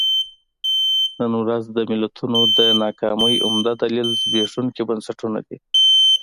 نن ورځ د ملتونو د ناکامۍ عمده دلیل زبېښونکي بنسټونه دي.